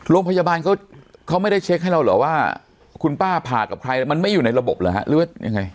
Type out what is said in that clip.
โรงพยาบาลเขาไม่ได้เช็คให้เราเหรอว่าคุณป้าผ่ากับใครมันไม่อยู่ในระบบเหรอฮะหรือว่ายังไง